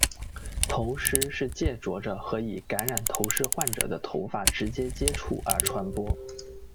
头虱是藉着和已感染头虱患者的头发直接接触而传播。